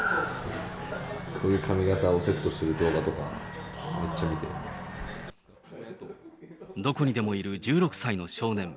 こういう髪形をセットする動画とどこにでもいる１６歳の少年。